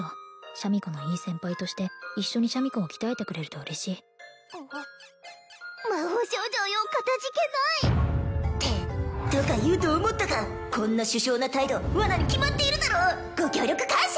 シャミ子のいい先輩として一緒にシャミ子を鍛えてくれると嬉しい魔法少女よかたじけないってとか言うと思ったかこんな殊勝な態度罠に決まっているだろうご協力感謝！